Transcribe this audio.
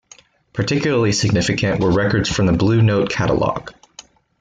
Particularly significant were records from the Blue Note catalogue.